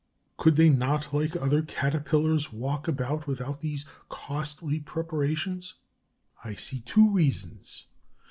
Could they not, like other Caterpillars, walk about without these costly preparations? I see two reasons.